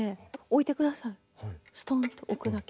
ストンと置くだけ。